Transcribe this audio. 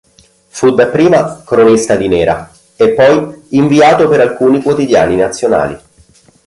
Fu dapprima "cronista di nera" e poi inviato per alcuni quotidiani nazionali.